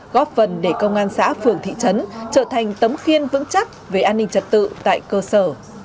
góp phần để công an xã phường thị trấn trở thành tấm khiên vững chắc về an ninh trật tự tại cơ sở